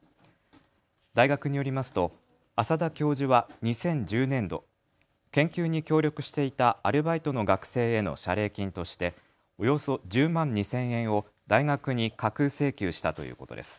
大学によりますと浅田教授は２０１０年度、研究に協力していたアルバイトの学生への謝礼金としておよそ１０万２０００円を大学に架空請求したということです。